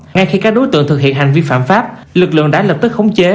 ngay khi các đối tượng thực hiện hành vi phạm pháp lực lượng đã lập tức khống chế